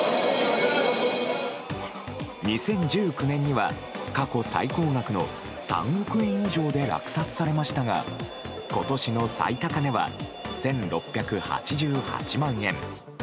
２０１９年には過去最高額の３億円以上で落札されましたが今年の最高値は１６８８万円。